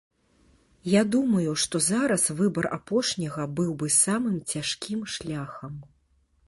Я думаю, што зараз выбар апошняга быў бы самым цяжкім шляхам.